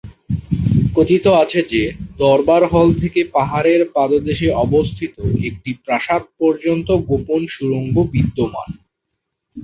কথিত আছে যে দরবার হল থেকে পাহাড়ের পাদদেশে অবস্থিত একটি প্রাসাদ পর্যন্ত গোপন সুড়ঙ্গ বিদ্যমান।